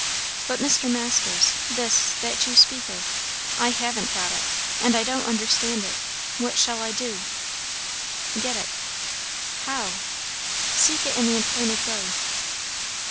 "But, Mr Masters this, that you speak of I haven't got it; and I don't understand it. What shall I do?" "Get it." "How?" "Seek it in the appointed way."